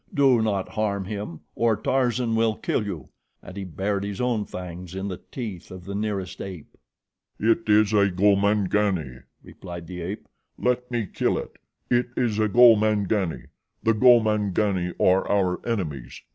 "Do not harm him, or Tarzan will kill you," and he bared his own fangs in the teeth of the nearest ape. "It is a Gomangani," replied the ape. "Let me kill it. It is a Gomangani. The Gomangani are our enemies.